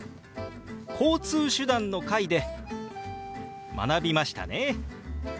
「交通手段」の回で学びましたね。